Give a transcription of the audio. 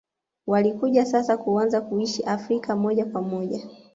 Walikuja sasa kuanza kuishi Afrika moja kwa moja